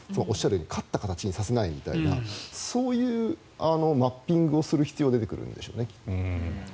おっしゃったように勝った形にさせないというようなそういうマッピングをする必要が出てくるんでしょうね。